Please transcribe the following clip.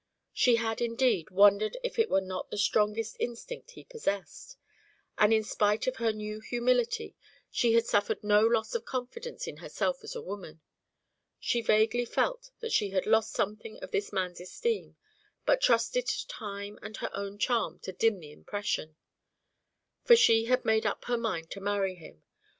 She had, indeed, wondered if it were not the strongest instinct he possessed. And in spite of her new humility, she had suffered no loss of confidence in herself as a woman. She vaguely felt that she had lost something of this man's esteem, but trusted to time and her own charm to dim the impression. For she had made up her mind to marry him.